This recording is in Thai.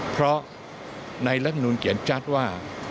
เพราะในรัฐมนุนเขียนชัดว่า